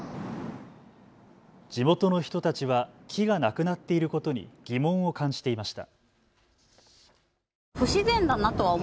地元の人たちは木がなくなっていることに疑問を感じていました。